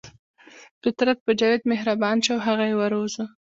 فطرت په جاوید مهربان شو او هغه یې وروزه